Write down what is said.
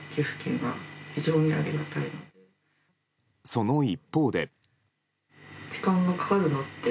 その一方で。